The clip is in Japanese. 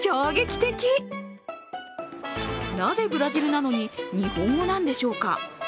なぜ、ブラジルなのに日本語なんでしょうか？